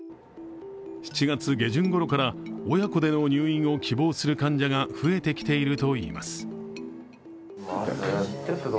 ７月下旬ごろから、親子での入院を希望する患者が増えてきているといいます。